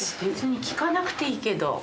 別に聞かなくていいけど。